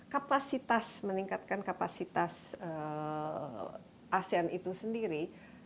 kapasitas meningkatkan kapasitas asean itu sendiri